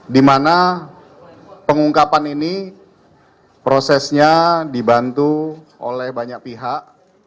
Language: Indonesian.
di mana pengungkapan ini prosesnya dibantu oleh banyak pihak